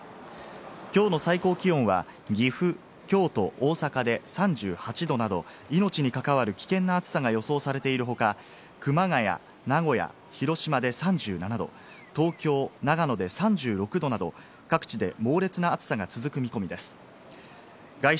きょうの最高気温は岐阜、京都、大阪で３８度など、命に関わる危険な暑さが予想されている他、熊谷、名古屋、広島で３７度、東京、長野３６度など、各地で猛烈な暑さが続く見込みです。